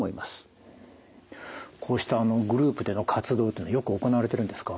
こうしたグループでの活動というのはよく行われてるんですか？